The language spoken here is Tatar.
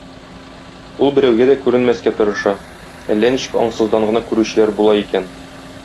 Ул берәүгә дә күренмәскә тырыша, әллә ничек аңсыздан гына күрүчеләр була икән.